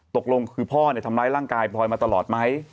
ตกลงคือพ่อทำร้ายร่างกายพลอยมาตลอดไหม